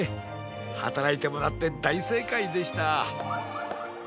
はたらいてもらってだいせいかいでした。